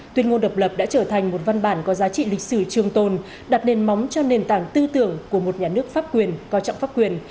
tuyên ngôn độc lập đã trở thành một văn bản có giá trị lịch sử trường tồn đặt nền móng cho nền tảng tư tưởng của một nhà nước pháp quyền coi trọng pháp quyền